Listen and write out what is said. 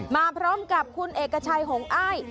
มาพร้อมกับคุณเอกชัยหงอ้าย